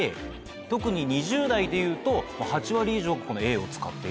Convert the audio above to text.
特に２０代でいうと８割以上Ａを使っている。